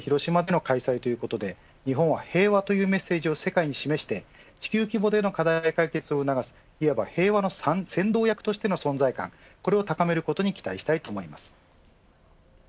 今回サミットが広島での開催ということで、平和というメッセージを世界に示して地球規模での課題解決を促す平和の先導役としての存在感これを高めることに期待したいと思います。